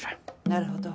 なるほど。